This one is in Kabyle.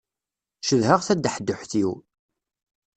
Cedhaɣ tadaḥduḥt-iw.